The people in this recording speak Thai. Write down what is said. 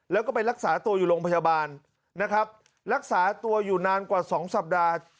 แล้วก็ไปรักษาตัวอยู่โรงพยาบาลนะครับรักษาตัวอยู่นานกว่า๒สัปดาห์